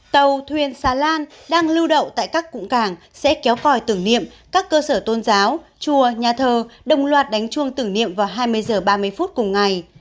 tàu thuyền xa lan đang lưu đậu tại các cụng cảng sẽ kéo còi tử nghiệm các cơ sở tôn giáo chùa nhà thờ đồng loạt đánh chuông tử nghiệm vào hai mươi h ba mươi phút cùng ngày